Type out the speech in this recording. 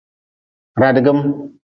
Radigm.